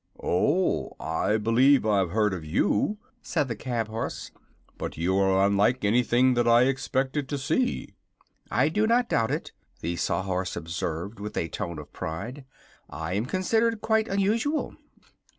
"Oh; I believe I've heard of you," said the cab horse; "but you are unlike anything that I expected to see." "I do not doubt it," the Sawhorse observed, with a tone of pride. "I am considered quite unusual."